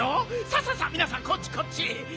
さささっみなさんこっちこっち。